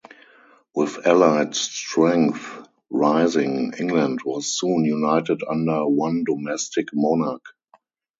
With allied strength rising, England was soon united under one domestic monarch.